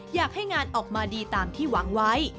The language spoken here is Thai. อยากให้งานออกมาดีตามที่หวังไว้